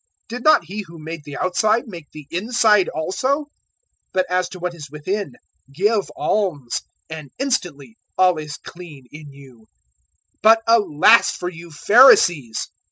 Did not He who made the outside make the inside also? 011:041 But as to what is within, give alms, and instantly all is clean in you. 011:042 "But alas for you Pharisees!